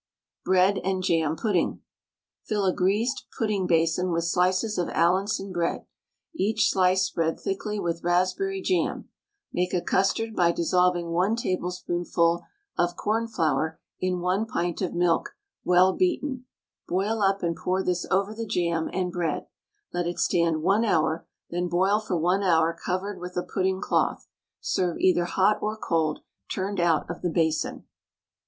BREAD AND JAM PUDDING. Fill a greased pudding basin with slices of Allinson bread, each slice spread thickly with raspberry jam; make a custard by dissolving 1 tablespoonful of cornflour in 1 pint of milk well beaten; boil up and pour this over the jam and bread; let it stand 1 hour; then boil for 1 hour covered with a pudding cloth. Serve either hot or cold, turned out of the basin.